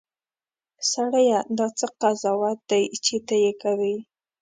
سړیه! دا څه قضاوت دی چې ته یې کوې.